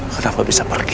kenapa bisa pergi